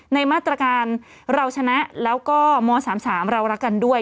ในมาตรการเราชนะแล้วก็ม๓๓เรารักกันด้วย